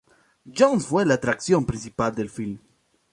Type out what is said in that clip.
Jones fue la atracción principal del film.